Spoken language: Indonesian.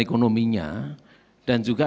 ekonominya dan juga